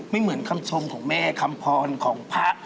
เหมือนคำชมของแม่คำพรของพระ